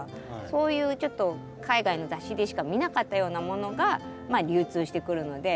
そういうちょっと海外の雑誌でしか見なかったようなものがまあ流通してくるので。